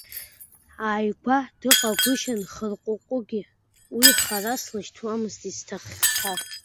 Ааигәа дыҟагәышьан хыркәыкәыкгьы, уи хара слышьҭуамызт, исҭаххаргь.